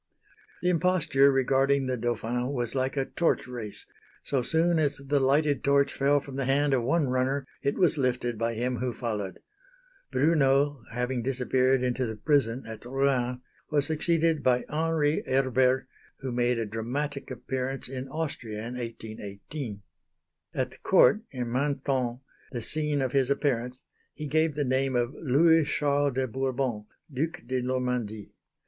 The imposture regarding the Dauphin was like a torch race so soon as the lighted torch fell from the hand of one runner it was lifted by him who followed. Brunneau, having disappeared into the prison at Rouen, was succeeded by Henri Herbert who made a dramatic appearance in Austria in 1818. At the Court in Mantone, the scene of his appearance, he gave the name of Louis Charles de Bourbon, Duc de Normandie.